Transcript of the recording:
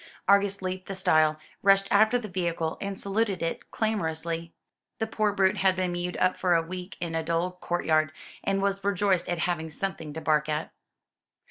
Argus leaped the stile, rushed after the vehicle, and saluted it clamorously. The poor brute had been mewed up for a week in a dull courtyard, and was rejoiced at having something to bark at.